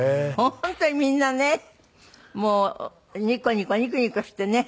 本当にみんなねもうニコニコニコニコしてね。